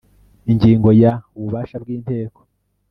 Ingingo ya Ububasha bw inteko